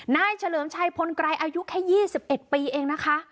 เฉลิมชัยพลไกรอายุแค่๒๑ปีเองนะคะ